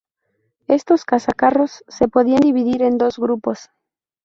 Estos cazacarros se podían dividir en dos grupos.